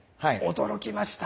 驚きました。